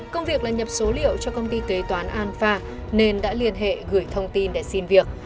công việc là nhập số liệu cho công ty kế toán an pha nên đã liên hệ gửi thông tin để xin việc